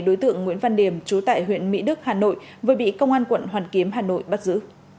đối tượng nguyễn văn điểm trú tại huyện mỹ đức hà nội vừa bị công an quận hoàn kiếm hà nội bắt giữ